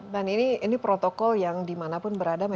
dan ini protokol yang dimanapun berada memang